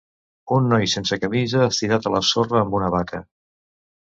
Un noi sense camisa estirat a la sorra amb una vaca.